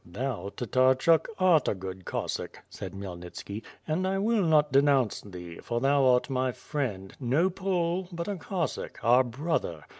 "Thou, Tatarchuk art a good Cossack," said Khmyelnitski, and 1 will not denounce thee, for thou art my friend, no Pole but a Cossack, our brother.